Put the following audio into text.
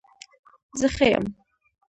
زه ښه يم